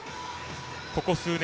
ここ数年